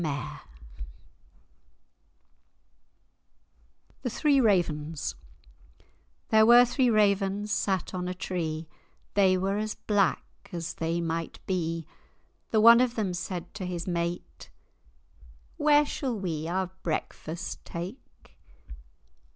[Illustration: The Twa Corbies] THE THREE RAVENS There were three ravens sat on a tre, They were as black as they might be: The one of them said to his mate, "Where shall we our breakfast take?"